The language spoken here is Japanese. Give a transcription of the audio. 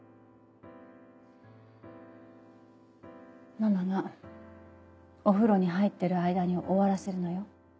ママがお風呂に入ってる間に終わらせるのよ。